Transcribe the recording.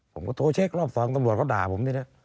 ผมก็โทรเช็ครอบสองตำรวจเขาด่าผมนี่นะ